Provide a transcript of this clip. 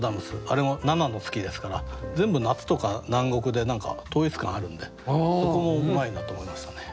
あれも７の月ですから全部夏とか南国で何か統一感あるんでそこもうまいなと思いましたね。